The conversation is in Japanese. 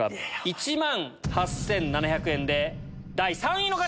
１万８７００円で第３位の方！